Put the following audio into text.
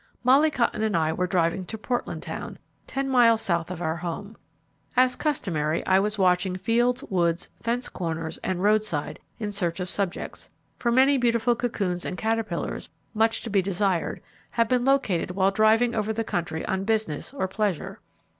Molly Cotton and I were driving to Portland town, ten miles south of our home. As customary, I was watching fields, woods, fence corners and roadside in search of subjects; for many beautiful cocoons and caterpillars, much to be desired, have been located while driving over the country on business or pleasure.